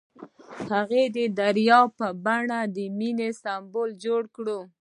هغه د دریاب په بڼه د مینې سمبول جوړ کړ.